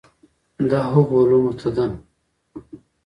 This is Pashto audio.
دا هغو علومو ته ده.